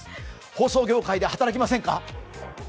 放送業界で働きませんか？